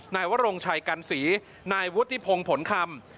นายวรงชัยกันศรีนายวุฒิพงศ์ผลคำ